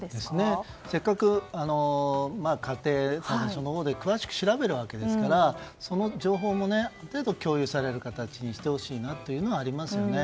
せっかく家庭裁判所で詳しく調べるわけですからその情報も共有される形にしてほしいというのはありますね。